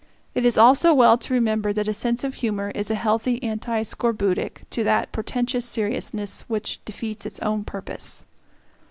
It is also well to remember that a sense of humor is a healthy anti scorbutic to that portentous seriousness which defeats its own purpose.